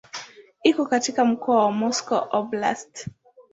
Iko katika mkoa wa Moscow Oblast.